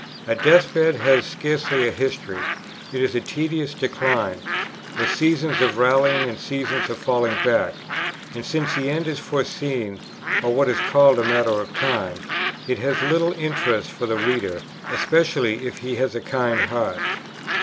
A death bed has scarcely a history; it is a tedious decline, with seasons of rallying and seasons of falling back; and since the end is foreseen, or what is called a matter of time, it has little interest for the reader, especially if he has a kind heart.